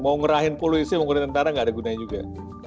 mau ngerahin puluh isi mau ngerahin tentara nggak ada gunanya juga